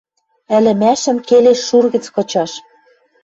Ӹлӹмӓшӹм келеш шур гӹц кычаш